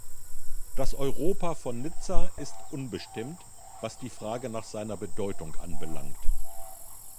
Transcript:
Das Europa von Nizza ist unbestimmt, was die Frage nach seiner Bedeutung anbelangt.